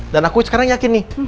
dan aku sekarang yakin nih